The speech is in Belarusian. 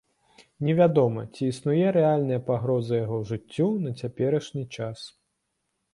Невядома, ці існуе рэальная пагроза яго жыццю на цяперашні час.